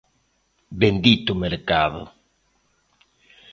¡Bendito mercado!